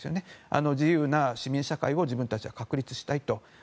自由な市民社会を自分たちで確立したいと。